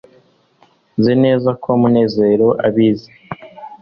nzi neza ko munezero abizi